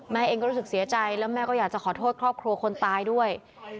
แม่เองก็รู้สึกเสียใจแล้วแม่ก็อยากจะขอโทษครอบครัวคนตายด้วย